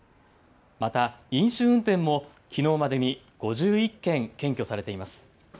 また飲酒運転もきのうまでに５１件検挙されています。